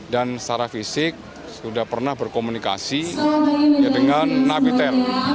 dan secara fisik sudah pernah berkomunikasi dengan nabiter